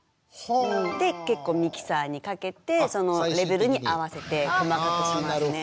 で結構ミキサーにかけてそのレベルに合わせて細かくしますね。